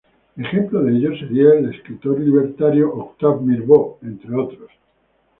Ejemplo de ello sería el escritor libertario Octave Mirbeau, entre otros.